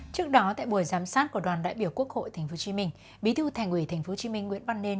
trước đó tại buổi giám sát của đoàn đại biểu quốc hội tp hcm bí thư thành ủy tp hcm nguyễn văn nên